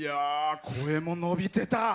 声も伸びてた。